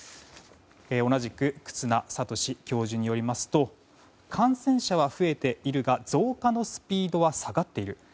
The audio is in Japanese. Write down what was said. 同じく忽那賢志教授によりますと感染者は増えているが増加のスピードは下がっている。